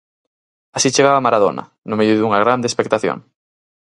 Así chegaba Maradona, no medio dunha grande expectación.